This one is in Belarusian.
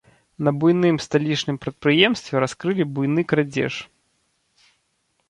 На буйным сталічным прадпрыемстве раскрылі буйны крадзеж.